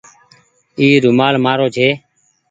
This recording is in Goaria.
اي رومآل مآرو ڇي۔